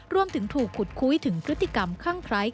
รวมถึงถูกขุดคุยถึงพฤติกรรมคั่งไคร้